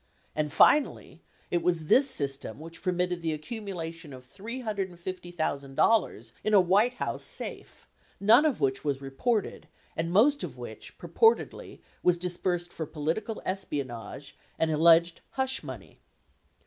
And finally, it was this system which permitted the accumulation of $350,000 in a White House safe, none of which was reported and most of which purportedly was dis bursed for political espionage and alleged hush money.